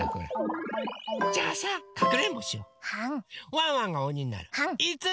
ワンワンがおにになる。